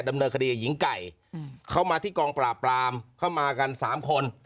ดำเนินคดีกับหญิงไก่เข้ามาที่กองปราบปรามเข้ามากันสามคน